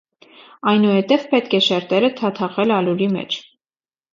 Այնուհետև պետք է շերտերը թաթախել ալյուրի մեջ։